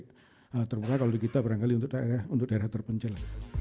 terutama kalau kita barangkali untuk daerah terpencil